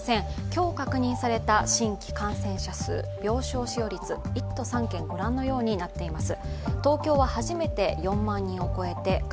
今日確認された新規感染者数、病床使用率１都３県ご覧のようになっています。